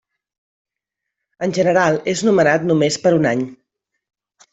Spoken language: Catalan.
En general, és nomenat només per un any.